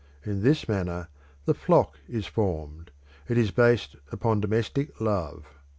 In this manner the flock is formed; it is based upon domestic love.